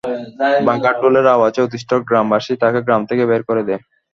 বাঘার ঢোলের আওয়াজে অতিষ্ঠ গ্রামবাসী তাকে গ্রাম থেকে বের করে দেয়।